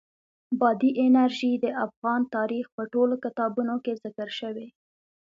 بادي انرژي د افغان تاریخ په ټولو کتابونو کې ذکر شوې.